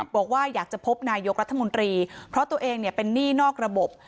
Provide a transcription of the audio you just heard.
บอกว่าอยากจะพบนายกรัฐมนตรีเพราะตัวเองเป็นหนี้นอกระบบ